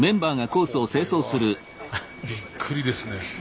これはびっくりですね。